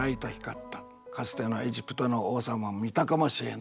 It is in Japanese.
かつてのエジプトの王様も見たかもしれない。